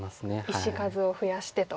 石数を増やしてと。